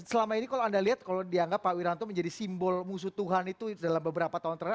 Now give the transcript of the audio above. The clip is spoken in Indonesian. selama ini kalau anda lihat kalau dianggap pak wiranto menjadi simbol musuh tuhan itu dalam beberapa tahun terakhir